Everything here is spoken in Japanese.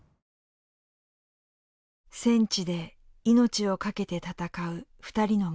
戦地で命を懸けて戦う２人の息子たち。